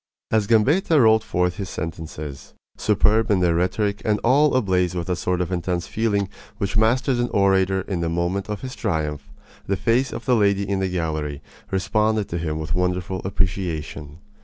As Gambetta rolled forth his sentences, superb in their rhetoric and all ablaze with that sort of intense feeling which masters an orator in the moment of his triumph, the face of the lady in the gallery responded to him with wonderful appreciation.